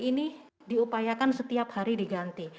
ini diupayakan setiap hari diganti